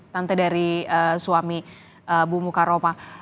tante dari suami bu mukaroma